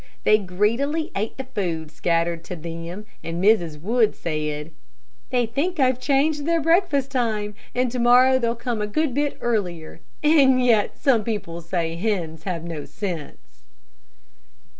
They greedily ate the food scattered to them, and Mrs. Wood said, "They think I've changed their breakfast time, and to morrow they'll come a good bit earlier. And yet some people say hens have no sense."